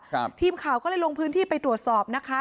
ทีมข่าวก็เลยลงพื้นที่ไปตรวจสอบนะคะ